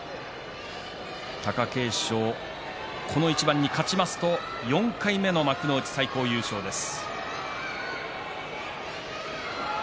貴景勝、この一番に勝ちますと４回目の幕内最高優勝です。